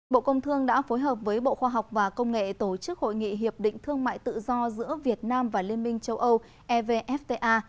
bộ công thương đã phối hợp với bộ khoa học và công nghệ tổ chức hội nghị hiệp định thương mại tự do giữa việt nam và liên minh châu âu evfta